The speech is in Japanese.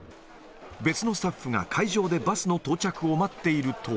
別のスタッフが会場でバスの到着を待っていると。